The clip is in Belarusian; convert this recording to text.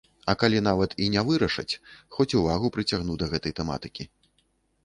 А калі нават і не вырашаць, хоць увагу прыцягну да гэтай тэматыкі.